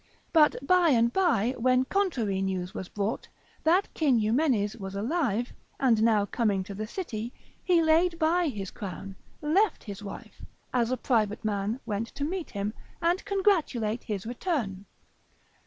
But by and by, when contrary news was brought, that King Eumenes was alive, and now coming to the city, he laid by his crown, left his wife, as a private man went to meet him, and congratulate his return.